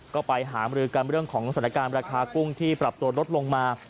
ก็ไปหามรือกันเรื่องของสถานการณ์ราคากุ้งที่ปรับตัวลดลงมา